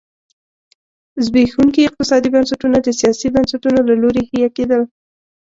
زبېښونکي اقتصادي بنسټونه د سیاسي بنسټونو له لوري حیه کېدل.